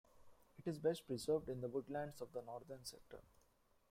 It is best preserved in the woodlands of the northern sector.